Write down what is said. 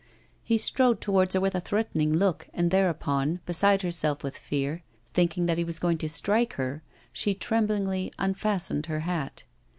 He strode towards her with a threatening look, and thereupon, beside herself with fear, thinking that he was going to strike her, she tremblingly unfastened her hat.